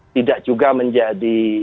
tidak juga menjadi